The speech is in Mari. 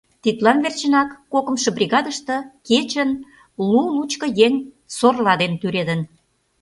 Тидлан верчынак кокымшо бригадыште кечын лу-лучко еҥ сорла дене тӱредын.